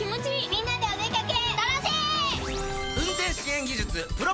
みんなでお出掛け。